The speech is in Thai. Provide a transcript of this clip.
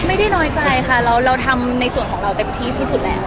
ไม่ได้น้อยใจค่ะเราทำในส่วนของเราเต็มที่ที่สุดแล้ว